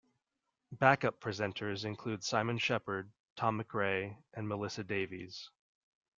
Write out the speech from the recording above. Backup presenters include Simon Shepherd, Tom McRae and Melissa Davies.